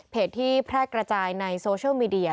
ที่แพร่กระจายในโซเชียลมีเดีย